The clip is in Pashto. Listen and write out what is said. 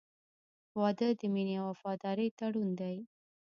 • واده د مینې او وفادارۍ تړون دی.